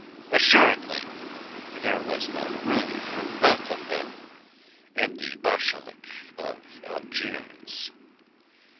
Assuredly there was no room for both of them in the Bashalik of Algiers.